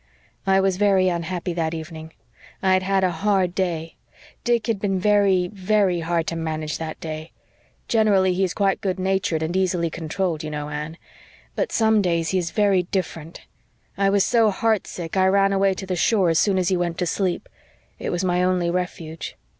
"I was very unhappy that evening. I had had a hard day. Dick had been very very hard to manage that day. Generally he is quite good natured and easily controlled, you know, Anne. But some days he is very different. I was so heartsick I ran away to the shore as soon as he went to sleep. It was my only refuge.